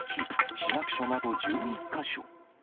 市役所など１１か所。